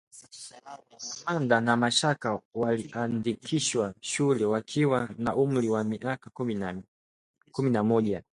Amanda na Mashaka waliandikishwa shule wakiwa na umri wa miaka kumi na moja